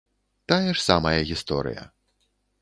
Тая ж самая гісторыя.